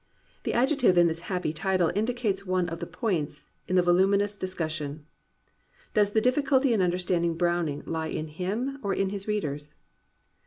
The adjective in this happy title indicates one of the points in the voluminous discussion. Does the difficulty in understanding Browning he in him, or in his readers?